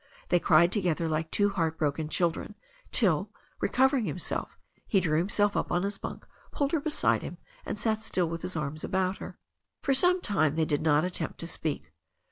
They cried together like two heart broken children, till, recovering him self, he drew himself up on his bunk, pulled her beside him, and sat still with his arms about her. For some time they did not attempt to speak.